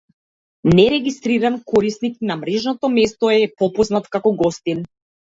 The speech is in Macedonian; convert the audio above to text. Нерегистриран корисник на мрежното место е попознат како гостин.